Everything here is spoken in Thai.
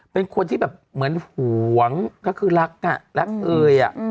เป็นคนที่แบบเหมือนหวงก็คือรักอ่ะรักเอ่ย